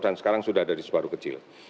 dan sekarang sudah ada di subaru kecil